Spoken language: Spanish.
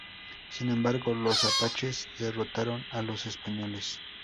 Sin embargo, los apaches derrotaron a los españoles.